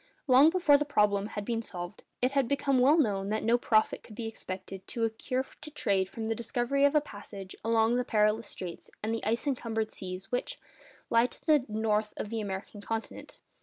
Long before the problem had been solved, it had become well known that no profit could be expected to accrue to trade from the discovery of a passage along the perilous straits and the ice encumbered seas which, lie to the north of the American continent.